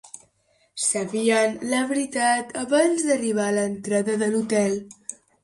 Sabien la veritat abans de arribar a l"entrada de l"hotel.